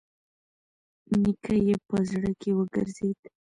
نيکه يې په زړه کې وګرځېد.